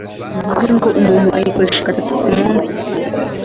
uvuge ngo umuntu ayikoresha gatatu ku munsi